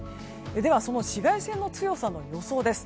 その紫外線の強さの予想です。